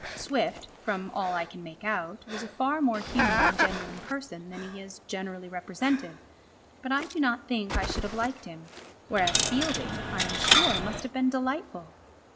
Swift, from all I can make out, was a far more human and genuine person than he is generally represented, but I do not think I should have liked him, whereas Fielding, I am sure, must have been delightful.